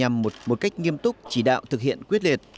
nhằm một cách nghiêm túc chỉ đạo thực hiện quyết liệt